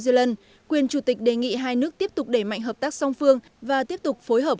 zelen quyền chủ tịch đề nghị hai nước tiếp tục đẩy mạnh hợp tác song phương và tiếp tục phối hợp